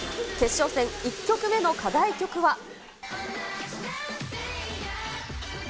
決勝戦、１曲目の課題曲は。